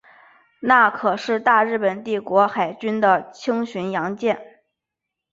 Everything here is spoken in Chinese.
那珂是大日本帝国海军的轻巡洋舰。